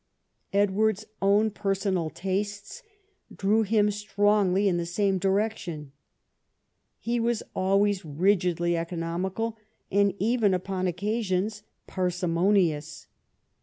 Edward's own personal tastes drew him strongly in the same direction. He was always rigidly economical, and even upon occasions parsimonious.